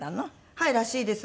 はいらしいです。